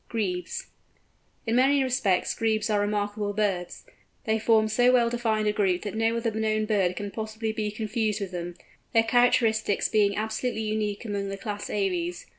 GREBES. In many respects Grebes are remarkable birds. They form so well defined a group that no other known bird can possibly be confused with them, their characteristics being absolutely unique among the class Aves.